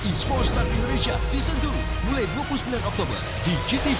isponstar indonesia season dua mulai dua puluh sembilan oktober di gtv